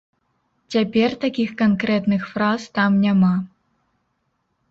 Цяпер такіх канкрэтных фраз там няма.